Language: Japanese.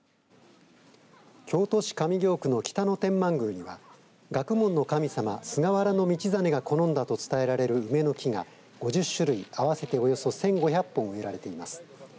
京都市上京区の北野天満宮には学問の神様菅原道真が好んだと伝えられる梅の木が５０種類合わせておよそ１５００本植えられています。